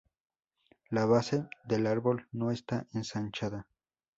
La base del árbol no está ensanchada.